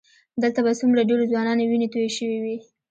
دلته به څومره ډېرو ځوانانو وینې تویې شوې وي.